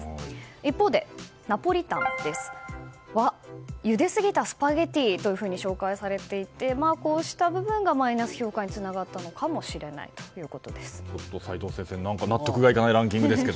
一方で、ナポリタンはゆですぎたスパゲティと紹介されていてこうした部分がマイナス評価につながったのかもしれないちょっと、齋藤先生、何か納得いかないランキングですけど。